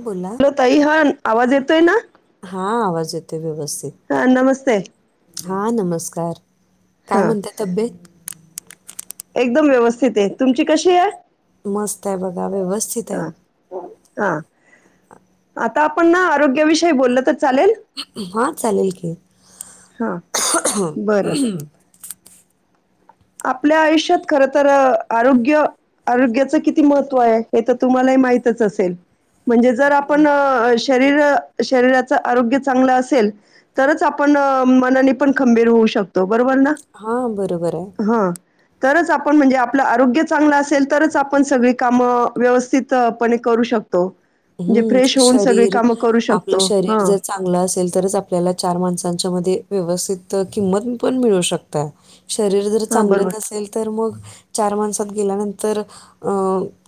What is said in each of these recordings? बोला हलो ताई हा अ आवाज येतोय ना हा आवाज येतोय व्यवस्थित हा नमस्ते हा नमस्कार काय हा म्हणते तब्येत एकदम व्यवस्थित हे तुमची कशी आहे मस्त आहे बाबा व्यवस्थित आहे हा हा आता आपण ना आरोग्याविषयी बोलल तर चालेल हा चालेल की हा बरं आपल्या आयुष्यात खर तर अ आरोग्य आरोग्याचं किती महत्त्व आहे हे तर तुम्हालाही माहीतच असेल म्हणजे जर आपण अ शरीर शरीराच आरोग्य चांगलं असेल तरच आपण अ मनाने पण खंबीर होऊ शकतो बरोबर ना हा बरोबर आहे हा तरच आपण म्हणजे आपलं आरोग्य चांगलं असेल तरच आपण सगळी कामं अ व्यवस्थित पणे करू शक म्हणजे हं, फ्रेश होऊन सगळी शरीर काम करू आपलं शकतो शरीर हा जर चांगलं असेल तरच आपल्याला चार माणसांच्या मध्ये व्यवस्थित किंमत पण मिळू शकते शरीर जर हां. चांगलं बरोबर, नसेल तर मग चार माणसात गेल्यानंतर अ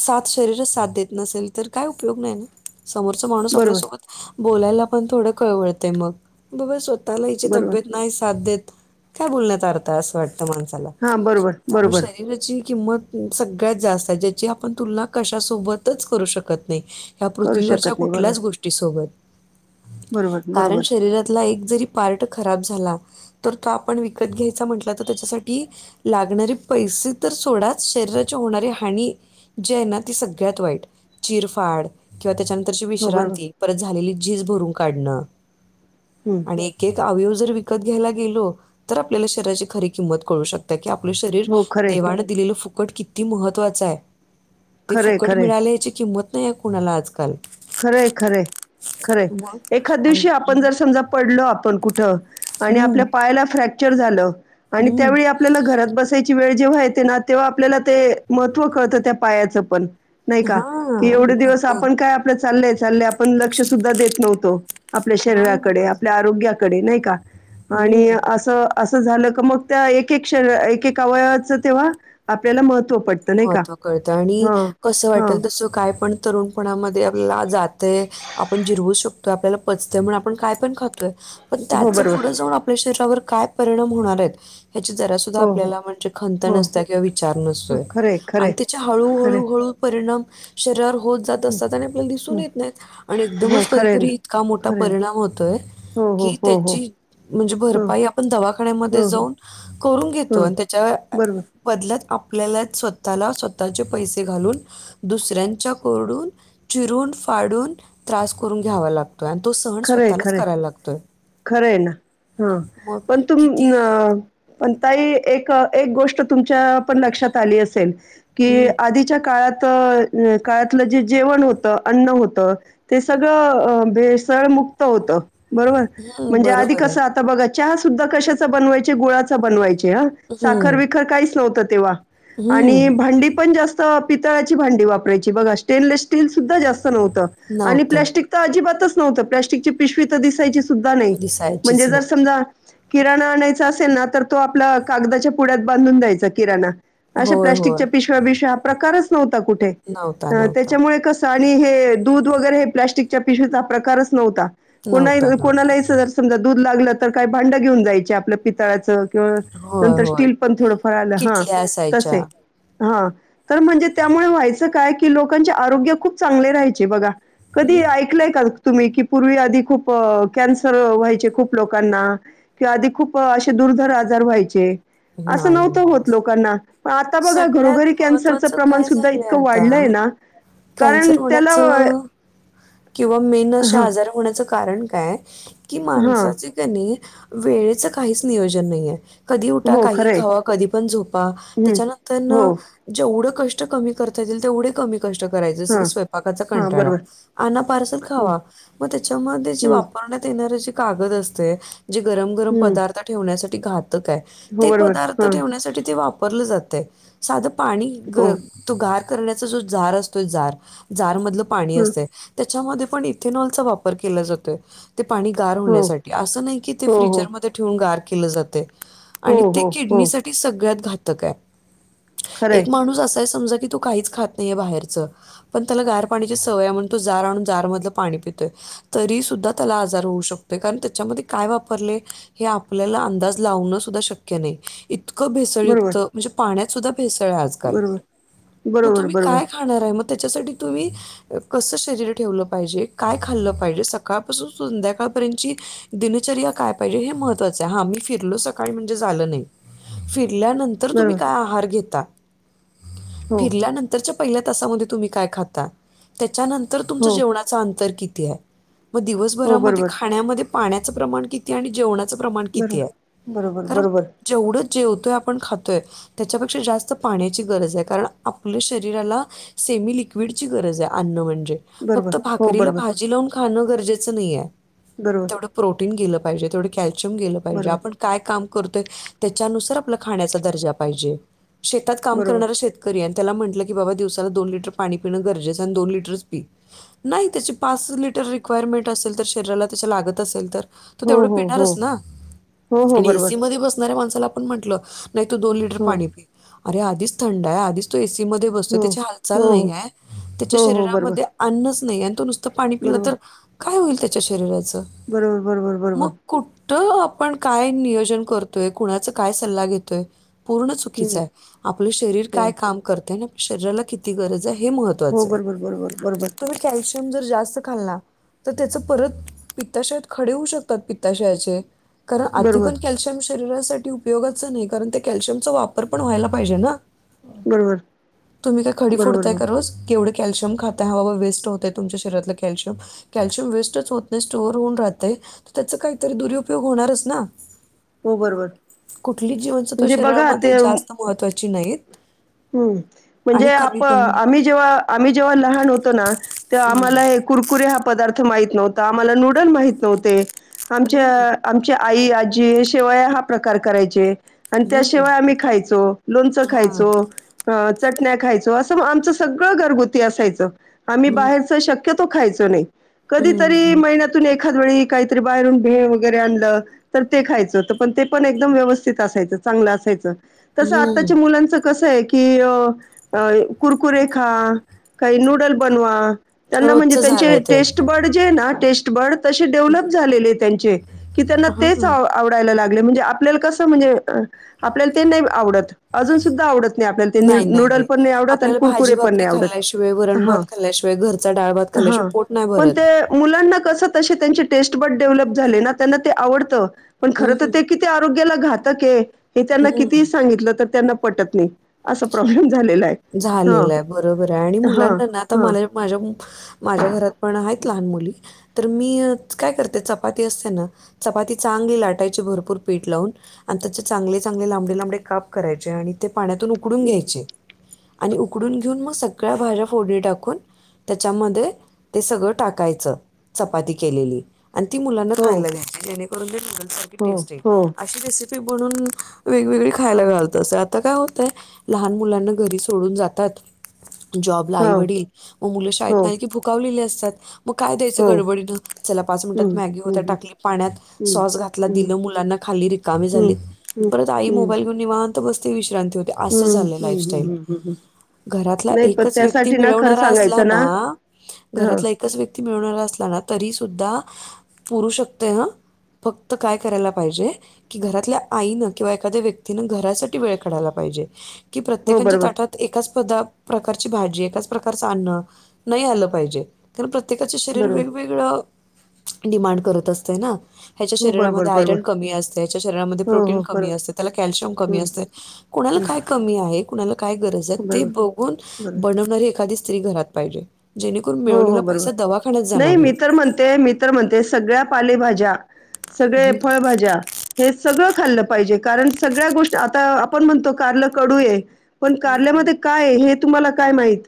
साथ शरीरच साथ देत नसेल तर काय उपयोग नाही ना समोरचा माणूस बरोबर, आपल्यासोबत बोलायला पण थोडं कळवळतय मग बाबा स्वतःला हिची बरोबर. तब्येत नाही साथ देत काय बोलण्यात अर्थ आहे असं वाटतं माणसं हां, बरोबर, त्यामुळे बरोबर. शरीराची किंमत सगळ्यात जास्त आहे ज्याची आपण तुलना कशासोबतच करू शकत नाही या करू पृथ्वीवरच्या शकत नाही. बरोबर, कुठल्याच गोष्टी सोबत बरोबर, कारण बरोबर. शरीरातला एक जरी पार्ट खराब झाला तर तो आपण विकत घ्यायचा म्हंटला तर त्याच्यासाठी लागणारे पैसे तर सोडाच शरीराची होणारी हानी जे आहे ना तेी सगळ्यात वाईट चिरफाड किंवा त्याच्यानंतरची हो, बरोबर. विश्रांती परत झालेली झीज भरून काढणं हम् आणि एक एक अवयव जर विकत घ्यायला गेलो तर आपल्याला शहराची खरी किंमत कळू शकते की आपलं शरीर हो, खरं आहे, देवानं दिलेलं फुकट किती महत्त्वाचं आहे ते खरं आहे, फुकट खरं आहे. मिळाले याची किंमत नाही या कुणाला आजकाल खरे खरे खरं एखाद दिवशी आपण जर समजा पडलो आपण कुठं आणि हम्म आपल्या पाया फ्रॅक्चर झा आणि हम्म त्याळी आपल्याला घरात बस त्याची वेळ जेव्हा येते ना तेव्हा आपल्याला ते महत्त्व कळतं त्या पायाचं पण नाही का हा कि एवढे दिवस भरपूर आपण का आपल चालय चालय आपण लक्ष सुद्धा देत नव्हतो आपल्या हा शरीराकडे आपल्या आरोग्या कडे नाही का आणि हम्म असं असं झालं क मग त्या एक एक कष एक एक अवयाचं तेव्हा आपल्याला महत्त्व पडतं नाही का महत्त्व कळतं आणि ह कसं हा वाटेल तसं काय पण तरुणपणामध्ये आपला जातय आपण जिरवू शकतो तो आपल्याला पचतय म्हण आपण काय पण खातोय पण हो, त्याच बरोबर. पुढं जाऊन आपल्या शरीवर काय परिणाम होणार आहेत ह्याची जरा ा हो, हो, आपल्याला म्हणजे खंत हो. नत किंवा विचार हो नसतोय खरंय आणि खरंय त्याच्या हळू खरंय हळू हळ परिणाम शरवर होत जात हं असतात आणि आपल्याला दिसून हं येत नाहीत आणि हो एकदमच खरंय कधीतरी ना इतका मोठा खरंय ना परिणाम होतोय हो हो की हो हो त्याची म्हणजे हो भरपाई आपण दवाखान्यामध्ये हो हो जाऊन करून घेतो हो आणि त्याच्या बरोबर बदल्यात आपल्याला स्वतःला स्वतःचे पैसे घालून दुसऱ्यांच्या कोडून चिरून फाडून त्रास करून घ्यावा लागतो आणि तो सहन खरंय स्वतःलाच खरंय करायला लागतोय खरं आहे ना हा मग पण तुम किती पण तही एक एक गोष्ट तुमच्या पण लक्षात आली असेल कि हम्म आधीच्या काळात काळातलं जे जेवण होतं अन्न होत ते सगळं भे सळ मुक्त होतं बरोबर हम्म म्हणजे आधी बरोबर आहे कसं आता बघायचं चहा सुद्धा कशाचा बनवायचे गुळाच बनवायचे ह साखर हम्म विखर काहीच नव्हतं तेव्हा आणि हम्म भांडी पण जास्त भ् नव्हतं अजिबातच नव्हत प्लास्टिकची पिशवी तर दिसायची सुद्धा नाही दिसायचीच म्हणजे जर नाही. समजा किराणा आणायचा असेल ना तर तो आपल्या कागदाच्या पुड्यात बांधून द्यायचा किराणा अशा होय, होय. प्लास्टिकच्या पिशव्या बिशव्या हा प्रकारच नव्हता कुठे नव्हता, नव्हता. त्याच्यामुळे कस आणि हे दूध वगैरे हे प्लास्टिकच्या पिशवीचा प्रकारच नव्हता कोणा नऊपन कोणालाही जर समजा दूध लागलं तर काय भांडं घेऊन जायचे आपल्या पितळाचं किं होय, नंतर होय. स्टील पण थोडं फळ आलं हा किटल्या असायच्या. तसे हा तर म्हणजे त्यामुळे व्हायचं काय कि लोकांचे आरोग्य खूप चांगले राहायचे बघा कधी हं. ऐकलंय का तुम्ही की पूर्वी आधी खूप कॅन्सर व्हायचे खूप लोकांना किंवा आधी खूप असे दुर्धर आजार व्हायचे असं नाही, नव्हतं नाही. होत लोकांना पण आता बघा घरोघरी सगळ्यात कॅन्सरचं महत्वाचं प्रमाण काय सुद्धा झालंय इतकं आता वाढलंय ना कारण कॅन्सर त्याला होण्याचं किंवा मेन अशा हां, आजार होण्याचं कारण काय कि हां. माणसाचे गण वेळेच काहीच नियोजन नाहीे कधी उठा हो, काही खरं आहे. खावा कधी पण झोपा हं. त्याच्यानंतर हो. न जेवढं कष्ट कमी करता येतीलल तेवढे कमी कष्ट करायचे जसं की हां. स्वयपाकाचा हां, कंटाळा बरोबर. अ् पार्सल हं, खावा मग त्याच्यामध्ये जे हं, वापरण्यात येणार जे कागद असते जे गरम गरम हं. पदार्थ ठेवण्यासाठी घातक आहे हो, ते बरोबर. पदार्थ हां. ठेवण्यासाठी ते वापरलं जातय साधं पाणी हो. तो गार करण्याचा जो जार असतोय जार जार मधलं पाणी हं. असतं त्याच्यामध्ये पण इथेनॉलचा वापर केला जातोय ते पाणी गार हो. होण्यासाठी असं नाही की ते हो, हो. फ्रीिजरमध्ये ठेवून गार केलं जाते हो, आणि ते हो, हो. किडनी साठी सगळ्यात घातक आहे खरं आहे. एक माणूस असा आहे समजा की तू काहीच खात नाहीये बाहेर पण त्याला गार पाण्याची सवय आहे म्हण तो जार आणून जार मधलं पाणी पितोय तरी सुद्धा त्याला आजार होऊ शकतो कारण त्याच्यामध्ये काय वापरले हे आपल्याला अंदाज लावणं सुद्धा शक्य नाही इतकं बरोबर, भेसळयुक्त म्हणजे पाण्यात सुद्धा ेळ आजल बरोबर, मग बरोबर, तुम्ही बरोबर. काय खाणार आहे मग त्याच्यासाठी तुम्ही कस शरीर ठेवलं पाहिजे काय खाल्लं पाहिजे सकाळपासून संध्याकाळपर्यंतची दिनचर्या काय पाहिजे हे महत्वाचं आहे हा आ म्ही फिरलो सकाळी म्हणजे झालं नाही फिरल्यानंतर तुम्ही बरोबर काय आहार घेता हो फिरल्यानंतरच्या पहि तामध्ये तुम्ही काय खाता त्याच्यानंतर तुमच हो जेवणाच अंतर किती आहे मग हो दिवसभरामध्ये बरोबर खाण्यामध्ये पाण्याचं प्रमाण किती आणि जेवणाच प्रमाण किती बरोबर आहे बरोबर कारण बरोबर जेवढं जेवतोय आपण खातोय त्याच्यापेक्षा जास्त पाण्याची गरज आहे कारण आपलं शरीर अण बरोबर भा हो बरोबर खाणं गरजेचं नाहीये बरोबर ते प्रोटन गेलं पाहिजे तेवढं कॅल्शियम गेलं पाजे बरोबर आपण काय काम करतोय त्याच्यानुसार आपला खाण्याचा दर्जा पाहिजे शेतात काम बरोबर करणार शेत आणि त्याला म्हटलं की बाबा दिवसाला दोन लिटर पाणी पिण गरजेचं आणि दोन लिटरच पी नाही त्याची पाच लिटर रिक्वायरमेंट असेल तर शरीराला त्याच्या लागत असेल तर तो हो तेवढं हो पिणारच हो ना हो हो आणि बरोबर एसी मध्ये बसणाऱ्या माणसाला आपण म्हंटलं नाही तू दोन लिटर हो पाणी पी अरे आधीच थंड आहे आधीच तो एसी मध्ये हो ची हालचाल हो हो नाही त्याच्या हो हो. बरोबर शरीरामध्ये अन्नच नाही आणि तो नुसतं पाणी पिलं तर बरोबर काय होईल त्याच्या शरीराचं बरोबर बरोबर बरोबर कुठ आपण काय नियोजन करतोय कुणाचा काय सल्ला घेतोय पूर्ण चुकीचं हम्म आहे आपलं शरीर हो काय काम करत आणि आपल्या शरीराला किती गरज आहे हे महत्व हो बरोबर बरोबर बरोबर कॅल्शियम जर जास्त खाल्ला तर त्याचं परत पित्ताशयात खडे होऊ शकतात पित्ताशयाचे कारण आधी बरोबर पण कॅल्शियम शरीरासाठी उपयोगाचं नाही कारण ते कॅल्शियमचा वापर पण व्हायला पाहिजे ना बरोबर तुम्ही का बरोबर खडीोडताय बरोबर कररो क केवढ कॅल्शिय खाता ह बा वेस्ट होत आहे तुमच्या शरीरातलं कॅल्शियम कॅल्शियम वेस्टच होत नाही स्टोअर होऊन राहते तर त्याचा काहीतरी दुरुपयोग होणारच ना हो बरोबर कुठली जीवनसत्व म्हणजे बघा शरीरामध्ये जास्त महत्त्वाची नाहीत हम्म म्हणजे आणि कमी आप पण आम्ही जेव्हा आम्ही जेव्हा लहान होतो ना ते आम्हाला हे कुरकुरी हा पदार्थ माहित नव्हता आम्हाला नूडल माहित नव्हते आमच्या हं, आमच्या आई आजी शिवाय हा प्रकार करायचे आणि हं. त्याशिवाय आम्ही खायचो लोणचं हां. खायचो चटण्या खायचो असं आमचं सगळं घरगुती असायचं आम्ही हं, बाहेरच शक तो खायच नाही कधीतरी हं, महिन्यातून एखाद वेळी काहीतरी बाहेरून भे वगैरे आणलं तर ते खायचं तर पण ते पण एकदम व्यवस्थित असायचं चांगलं असायचं तसं आताच्या हं. मुलांचं कसं आहे की कि अ कुरकुरे खा काही नूडल बनवा त्यांना म्हणजे रोजचं त्यांचे झालंय ते. टेस्ट बे बर् त डेव्हलप हं, झाले त्यां त्यां हां. आवडायला लाग म्हणजे आपल्या कस म्हणजे आपल्याला नाही आवत अजून सुधा आव ला नाही, नाही, नूड पण नाही आवडत आणि आपल्याला कुरकुरे पण भाजी-भाकरी नाही आवडत खाल्ल्याशिवाय, हा वरण-भात खाल्ल्याशिवाय, घरचा डाळ-भात हा खाल्ल्याशिवाय पोट नाही पण भरत. ते मुलांना कस त त्यां टेस्ट ब डेव्हलप झाले ना त्यांना ते आवडत पण खर तर हं, ते आरोग्याला घातक आहे हे त्यांना किती हं. सांगितलं तर त्यांना पटत नाही असा प्रॉब्लेम झालेला आहे हां, झालेलं आहे बरोबर आहे आणि हां, मुलांना ना आता हां. मला माझ्या माझ्या घरात पण आहेत लहान मुली तर मी काय करते चपाती असते ना चपाती चांगली लाटायची भरपूर पीठ लावून आणि त्याचे चांगले चांगले लांबडे लांबडे काप करायचे आणि ते पाण्यातून उकडून घ्यायचे आणि उकडून घेऊन मग सगळ्या भाज्या फोडीणी टाकून त्याच्यामध्ये ते सगळं टाकायचं चपाती केलेली आणि ती मुलांना हो, खायला घ्यायची जेणेकरून ते नूडल् सारखी हो, टेस्ट आहे हो, अशी रेसिपी बून वेगवेगळी खायला घालत अस आता काय होतंय लहान मुलांना घरी सोडून जात जब हो, आवड मु हो, शाेत चकावलेले असतात मग काय द्यायचं हो. गडबडीन चला पाच हं, मिनिटात मॅगी होत हं, हं, टाकली पाण्यात हं, सॉस घातला दि हं, मुलांना खाली रिकामी हं, हं, झाली हं, परत आई मोबाईल घेऊन नि बसती विश्रांती होती हम् हम्म हम् हम् ह ह् घरातला एकच व्यक्ती खरं मिळवणारा असला सांगायचं ना हां. घरातला तस व्यक्ती मिळवणार असला ना तरी सुद्धा पुरू शकते ना फक्त काय करायला पाहिजे कि घरातल्या आईनं किंवा एखाद्या व्यक्तीनं घरासाठी वेळ काडायला पाहिजे कि हो प्रत्येकच्या बरोबर, एकाच प्रकारची भाजी एकाच प्रकारचं अन्न नाही आलं पाहिजे कार प्रत्येकाचे शरीर बरोबर. वेगवेगळं डिमांड करत असत ना ह्याच्या हो बरोबर, शरीरामध्ये आयरन बरोबर. कमी असते ह्याच्या शरीरामध्ये हो, प्रोटीन हो, कमी बरोबर. असते त्याला कॅल्शियम कमी हं. असते कोुणाला हं काय कमी आहे कुणाला काय गरज आहे ते बरोबर बघून बरोबर बनवणारी एखादी स्त्री घरात पाहिजे जेणेकरून मिळवलेला पैसा दवाखान्यात जाणार नाही म म्हणते मित्र म्हणते सगळ्या पालेभाज्या सगळे हं, फळभाज्या हे सगळं खाल्लं पाहिजे कारण सगळ्या गोष्टी आता आपण म्हणतो कारल कडू आहे पण हं. कारल्यामध्ये काय हे तुम्हाला काय माहित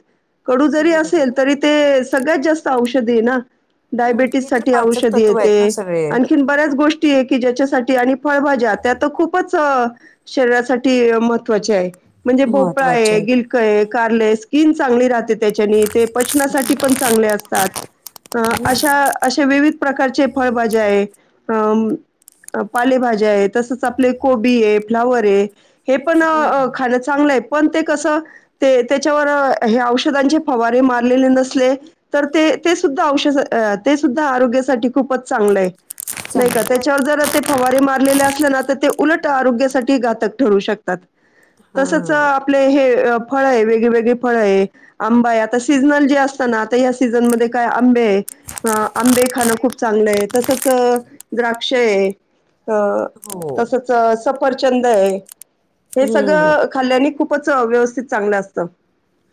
कडू जरी असेल बरोबर. तरी सत षध हं, डाबटी हे तर पाचक तत्व आहेत ना षधे सगळे. बऱ्याच गोष्टी आहे की ज्याच्यासाठी आणि फळभाज्या त्या तर खूपच शरीरासाठी महत्त्वाचे आहे म्हणजे भोपळा महत्वाचे आहे आहेत. गिलक आहे कार्लय स्किन चांगली राहते त्याच्याने ते ण चतात हं, अा असे विविध प्रकारचे फळभाज्या आहे अ पालेभाज्या आहे तसच आपले कोबी आहे फ्लावर आहे हे पण हं. खाण्या प त्या औषव नसले तर ते सुद्धा औष ते सुद्धा आरोग्यासाठी खूपच चांगलं आहे नाही का चांगलं आहे. त्याच्यावर जर ते फवारे मारलेले असल्या ना तर ते उलट आरोग्यासाठी घातक ठरू शकते तसच हां. आपले हे फळ आहे वेगळी वगळी फळ आहे आंबा आ सीजनल जे असत ना सीझन म काय आंबे आहे आंबे खाणं खूप चांगलं आहे तसच द्राक्ष आहे अ हो. तसच सफरचंद आहे हे हं, सगळं खाल्ल्याने खूपच व्यवस्थित चांगलं असतं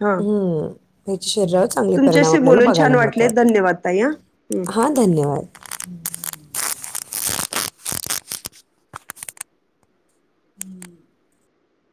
हा ह्म शरीरावर चांगले परिणाम तुमच्याशी आपल्याला बोलून छान बघायला वाटले धन्यवाद ताई हा हम्म. मिळतात ह धन्यवाद